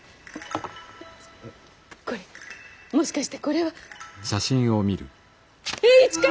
これもしかしてこれは栄一かい？